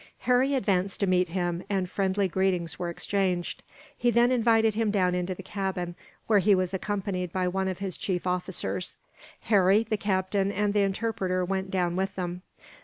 Harry advanced to meet him, and friendly greetings were exchanged. He then invited him down into the cabin, where he was accompanied by one of his chief officers. Harry, the captain, and the interpreter went down with them.